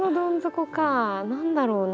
何だろうな？